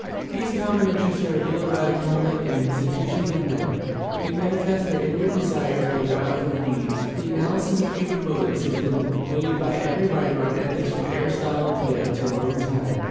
These common interests are revealed by the conduct and institutions of men; they manifest their inward desires by their outward deeds. The analysis of human motives has been made by every writer on ethics from Aristotle and Plato to our own time.